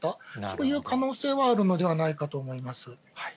そういう可能性はあるのではないかと思います。